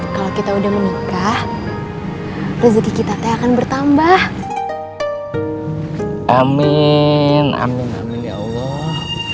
kalau kita udah menikah rezeki kita akan bertambah amin amin amin ya allah